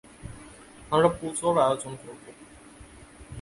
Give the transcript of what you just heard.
আমরা পুজোর আয়োজন করব।